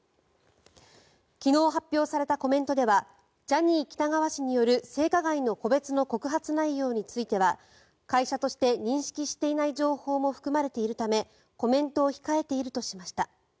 昨日発表されたコメントではジャニー喜多川氏による性加害の個別の告発内容については会社として認識していない情報も含まれているためコメントを控えているとしました。